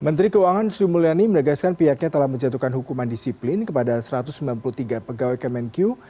menteri keuangan sri mulyani menegaskan pihaknya telah menjatuhkan hukuman disiplin kepada satu ratus sembilan puluh tiga pegawai kemenq